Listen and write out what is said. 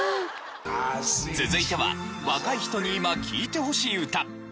続いては若い人に今聴いてほしい歌７０代編。